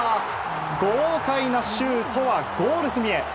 豪快なシュートはゴール隅へ。